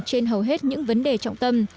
trên hầu hết những vấn đề trọng tâm